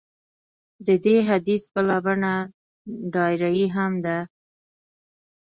د دې حدیث بله بڼه ډایري هم ده.